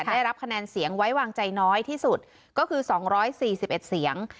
ได้รับคะแนนเสียงไว้วางใจน้อยที่สุดก็คือสองร้อยสี่สิบเอ็ดเสียง